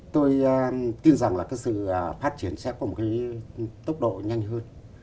tôi tin rằng là cái sự phát triển sẽ có một cái tốc độ nhanh hơn